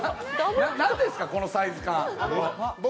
なんですか、このサイズ感。